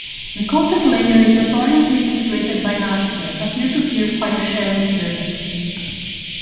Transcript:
The content layer is notoriously illustrated by Napster, a peer-to-peer file sharing service.